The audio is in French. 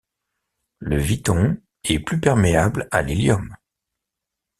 Le viton est plus perméable à l'hélium.